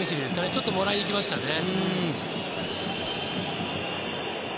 ちょっともらいにいきましたね。